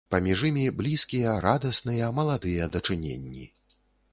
Паміж імі блізкія, радасныя, маладыя дачыненні.